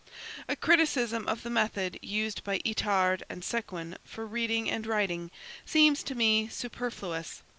A criticism of the method used by Itard and Séguin for reading and writing seems to me superfluous.